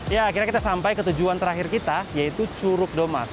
ya akhirnya kita sampai ke tujuan terakhir kita yaitu curug domas